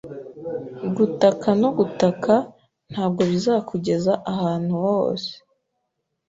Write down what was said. Gutaka no gutaka ntabwo bizakugeza ahantu hose.